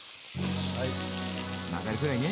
混ざるぐらいね。